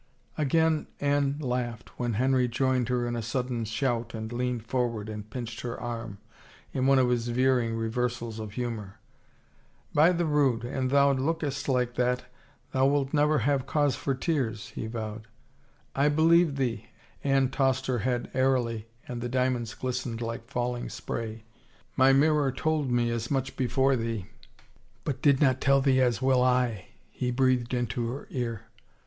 Again Anne laughed and Henry joined her in a sud den shout and leaned forward and pinched her arm, in one of his veering reversals of humor. " By the Rood, an thou lookest like that, thou wilt never have cause for tears !" he vowed. " I believe thee !" Anne tossed her head airily and the diamonds glistened like falling spray. " My mirror told me as much before thee 1 " 281 THE FAVOR OF KINGS " But did not tell thee as will I," he breathed into her ear.